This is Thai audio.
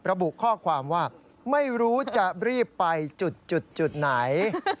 ระบุข้อความว่าไม่รู้จะรีบไปจุดไหน